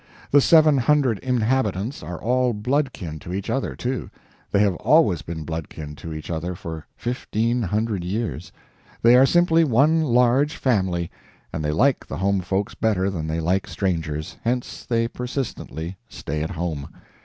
The seven hundred inhabitants are all blood kin to each other, too; they have always been blood kin to each other for fifteen hundred years; they are simply one large family, and they like the home folks better than they like strangers, hence they persistently stay at home.